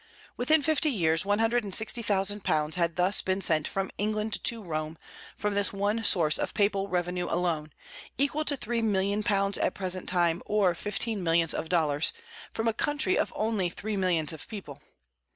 Within fifty years, one hundred and sixty thousand pounds had thus been sent from England to Rome, from this one source of papal revenue alone, equal to three million pounds at the present time, or fifteen millions of dollars, from a country of only three millions of people.